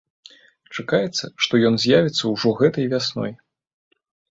Чакаецца, што ён з'явіцца ўжо гэтай вясной.